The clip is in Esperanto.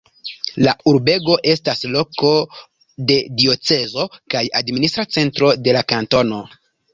La urbego estas loko de diocezo kaj administra centro de la kantono.